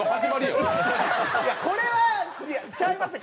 これはちゃいますねん！